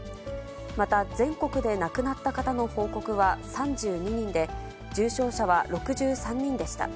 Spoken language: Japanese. また全国で亡くなった方の報告は３２人で、重症者は６３人でした。